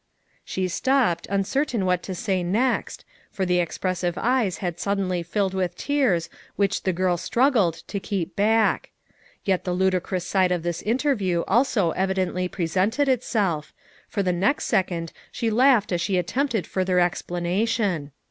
She stopped, uncertain what to say next, for the expressive eyes had suddenly filled with tears which the girl .struggled to keep back; yet the ludicrous side of this interview also evidently presented itself, for the next second she laughed as she attempted further explana tion.